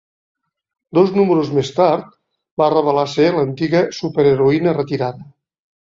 Dos números més tard, va revelar ser l'antiga superheroïna retirada.